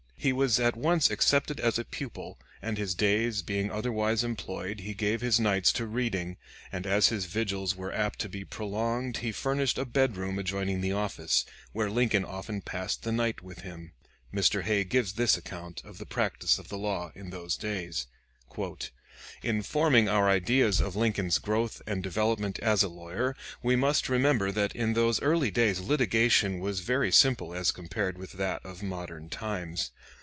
He was at once accepted as a pupil, and his days being otherwise employed he gave his nights to reading, and as his vigils were apt to be prolonged he furnished a bedroom adjoining the office, where Lincoln often passed the night with him. Mr. Hay gives this account of the practice of the law in those days: "In forming our ideas of Lincoln's growth and development as a lawyer, we must remember that in those early days litigation was very simple as compared with that of modern times.